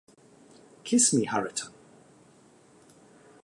Kiss me, Hareton!